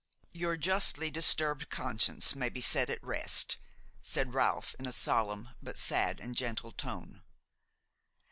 "Your justly disturbed conscience may be set at rest," said Ralph, in a solemn, but sad and gentle tone.